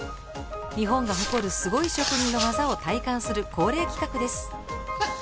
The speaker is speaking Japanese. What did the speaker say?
日本が誇るすごい職人の技を体感する恒例企画です。